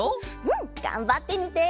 うんがんばってみて！